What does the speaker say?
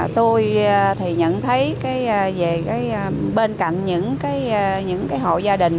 tôi nhận thấy bên cạnh những hộ gia đình